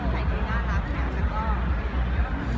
ไม่ทราบเลยครับ